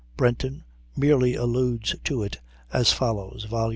Brenton merely alludes to it as follows (vol.